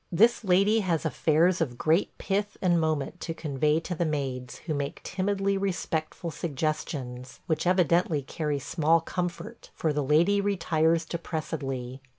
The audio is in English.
This lady has affairs of great pith and moment to convey to the maids, who make timidly respectful suggestions, which evidently carry small comfort, for the lady retires depressedly.